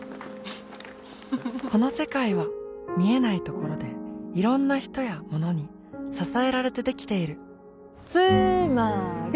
この世界は見えないところでいろんな人やものに支えられてできているつーまーり！